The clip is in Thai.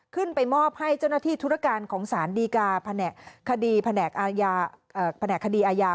ขึ้นไปมอบให้เจ้าหน้าที่ธุรการของศาลดีกาภาแหน่กคดีอาญา